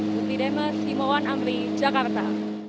dutri demes imawan amri jakarta